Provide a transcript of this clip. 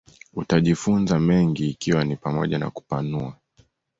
utajifunza mengi ikiwa ni pamoja na kupanua